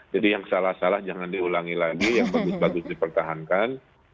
jadi yang salah salah jangan diulangi lagi yang bagus bagus dipertahankan